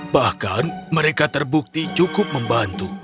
bahkan mereka terbukti cukup membantu